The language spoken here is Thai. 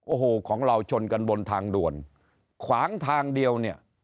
โอ้โหของเราชนกันบนทางด่วนขวางทางเดียวเนี่ย